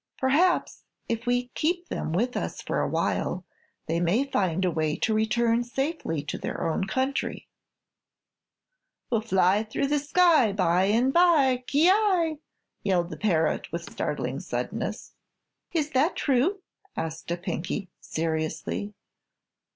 Perhaps, if we keep them with us for awhile, they may find a way to return safely to their own country." "We'll fly through the sky by and by ki yi!" yelled the parrot with startling suddenness. "It that true?" asked a Pinky, seriously.